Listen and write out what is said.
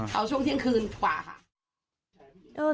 เอาช่วงเที่ยงคืนกว่าค่ะ